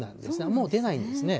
もう出ないですね。